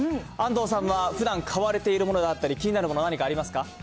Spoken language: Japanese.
安藤さんはふだん、買われているものがあったり、気になるもの、何かありますか？